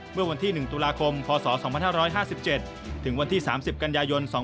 เมื่อวันที่๑ตุลาคมพศ๒๕๕๗ถึงวันที่๓๐กันยายน๒๕๖